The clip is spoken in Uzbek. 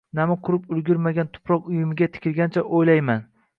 Nami qurib ulgurmagan tuproq uyumiga tikilgancha o'ylayman.